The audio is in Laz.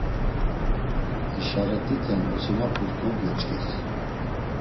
İşaret̆iten osinapus kogyoçkes.